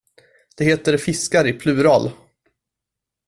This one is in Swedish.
Det heter fiskar i plural.